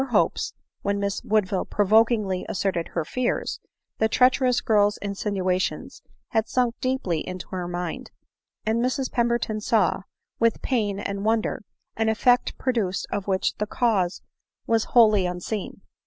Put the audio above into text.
hopes when Miss Woodvflle provokingly asserted her fiars, the treacherous girl's insinuations had sunk deeply into her mind, and Mrs Pemberton saw, with pain and wonder, an effect produced of which the cause was wholly unseen.